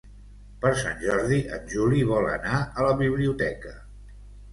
Per Sant Jordi en Juli vol anar a la biblioteca.